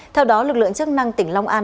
theo đó lực lượng chức năng tỉnh long an